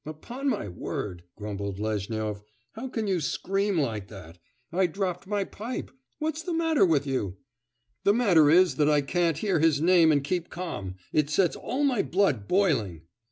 Upon my word!' grumbled Lezhnyov, 'how can you scream like that? I dropped my pipe.... What's the matter with you?' 'The matter is, that I can't hear his name and keep calm; it sets all my blood boiling!